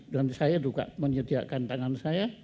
dan saya juga menyediakan tangan saya